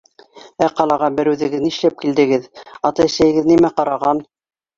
Ә ҡалаға бер үҙегеҙ нишләп килдегеҙ? Ата-әсәйегеҙ нимә ҡараған?